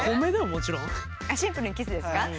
シンプルにキスですか？